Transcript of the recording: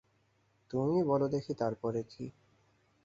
তুমিই বলো দেখি, তার পরে কী।